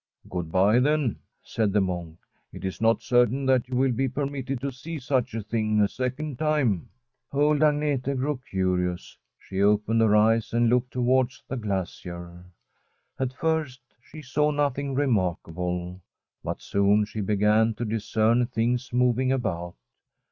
* Good bye, then,' said the monk ;* it is not certain that you will be permitted to see such a thing a second time.' Old Agnete grew curious; she opened her eyes and looked towards the glacier. At first she saw nothing remarkable, but soon she began to discern things moving about.